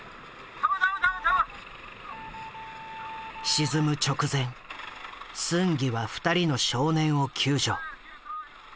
沈む直前スンギは２人の少年を救助。